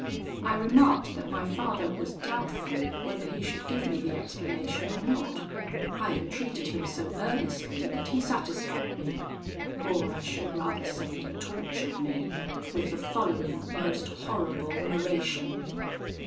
I remarked that my father was doubtful whether he should give me the explanation or not. I entreated him so earnestly that he satisfied me, or I should rather say tortured me, with the following most horrible narration.